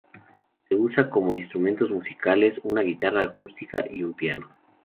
Usa como instrumentos musicales una guitarra acústica y un piano.